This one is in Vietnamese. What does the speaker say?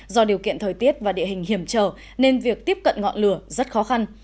do điều kiện thời tiết và địa hình hiểm trở nên việc tiếp cận ngọn lửa rất khó khăn